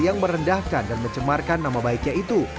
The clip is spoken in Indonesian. yang merendahkan dan mencemarkan nama baiknya itu